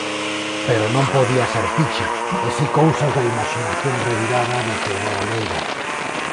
Pero non podía ser Pichi, e si cousas da imaxinación revirada de Teodoro Leira.